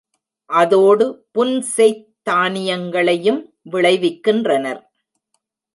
அதோடு புன்செய்த் தானியங்களையும் விளைவிக்கின்றனர்.